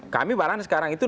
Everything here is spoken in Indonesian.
kami malahan sekarang itu ya